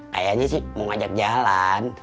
kayaknya sih mau ngajak jalan